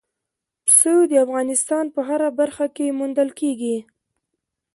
پسه د افغانستان په هره برخه کې موندل کېږي.